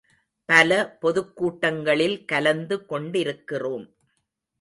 பல பொதுக் கூட்டங்களில் கலந்து கொண்டிருக்கிறோம்.